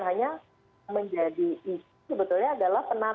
hanya menjadi isu sebetulnya adalah penataan